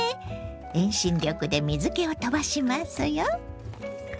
遠心力で水けを飛ばしますよ。